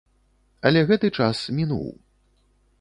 Але гэты час мінуў.